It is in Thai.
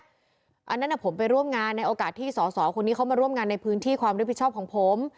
อันนั้นผมไปร่วมงานในโอกาสที่สอสอคนนี้เข้ามาร่วมงานในพื้นที่ความรับผิดชอบของผม